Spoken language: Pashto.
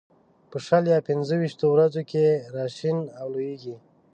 په شل یا پنځه ويشتو ورځو کې را شین او لوېږي.